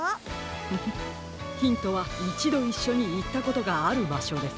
フフッヒントはいちどいっしょにいったことがあるばしょです。